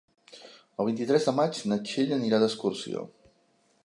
El vint-i-tres de maig na Txell anirà d'excursió.